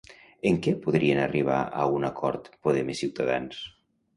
En què podrien arribar a un acord, Podem i Ciutadans?